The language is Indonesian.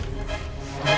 aku akan menjaga dia